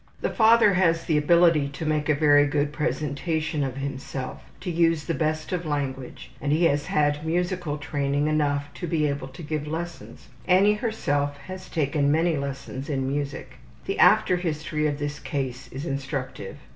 The father has the ability to make a very good presentation of himself, to use the best of language and he has had musical training enough to be able to give lessons. Annie herself has taken many lessons in music. The after history of this case is instructive.